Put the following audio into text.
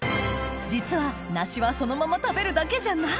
実は梨はそのまま食べるだけじゃない！